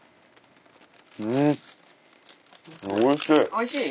おいしい？